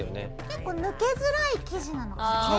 結構抜けづらい生地なのかもね。